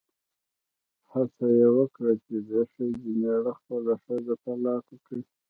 هڅه یې وکړه چې د ښځې مېړه خپله ښځه طلاقه کړي.